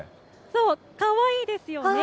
そう、かわいいですよね。